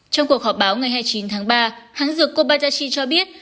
trong cuộc họp báo ngày hai mươi chín tháng ba hãng dược kobadashi cho biết